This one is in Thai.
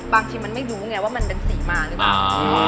บางทีมันไม่รู้ไงว่ามันเป็นสีมาหรือเปล่า